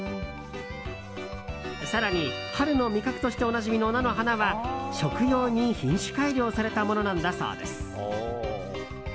更に、春の味覚としておなじみの菜の花は食用に品種改良されたものなんだそうです。